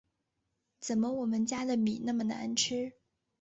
怎么我们家的米那么难吃